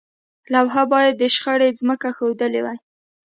لوحه باید د شخړې ځمکه ښودلې وي.